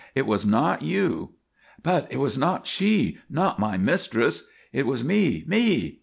"It was not you " "_But it was not she not my mistress! It was me! Me!